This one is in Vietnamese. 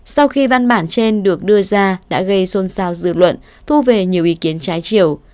sau khi văn bản trên được đưa ra đã gây xôn xao dư luận thu về nhiều ý kiến trái chiều